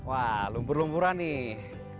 wah lumpur lumpuran nih